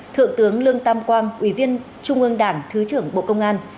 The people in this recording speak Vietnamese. thượng tướng lương tam quang ủy viên trung ương đảng thứ trưởng bộ công an